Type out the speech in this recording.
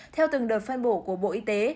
theo từng đợt phân bổ của bộ y tế